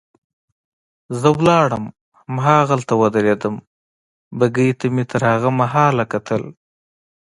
زه ولاړم هماغلته ودرېدم، بګۍ ته مې تر هغه مهاله کتل.